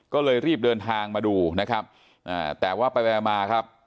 ก็เลยรีบเดินทางมาดูนะครับอ่าแต่ว่าไปไปมาครับ